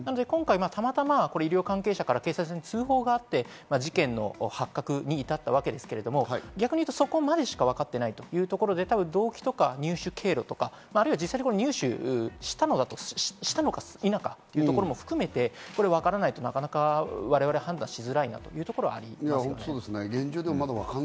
たまたま医療関係者から警察に通報があって、事件の発覚に至ったわけですけれど、逆にいうと、そこまでしか分かっていない、動機とか、入手経路とか、実際に入手したのか否かというところも含めてわからないと、なかなか我々判断しづらいというところがあります。